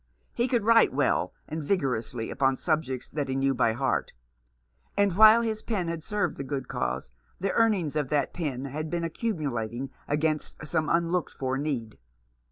He could write well and vigorously upon subjects that he knew by heart ; and while his pen had served the good cause, the earnings of that pen had been accumu lating against some unlooked for need.